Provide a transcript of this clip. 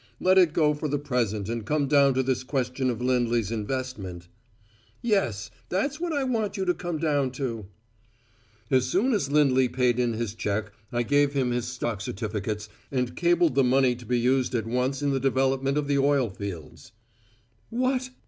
Let it go for the present and come down to this question of Lindley's investment " "Yes. That's what I want you to come down to." "As soon as Lindley paid in his check I gave him his stock certificates, and cabled the money to be used at once in the development of the oil fields " "What!